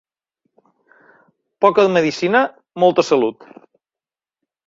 Poca medecina, molta salut.